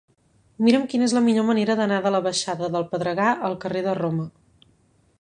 Mira'm quina és la millor manera d'anar de la baixada del Pedregar al carrer de Roma.